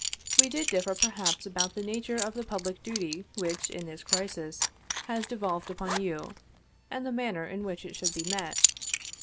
We did differ perhaps about the nature of the public duty which, in this crisis, has devolved upon you, and the manner in which it should be met.